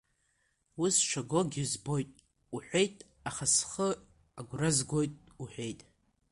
Уи сшагогьы збоит уҳәеит, аха схы агәра згоит уҳәеит.